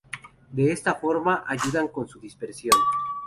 De esta forma ayudan con su dispersión.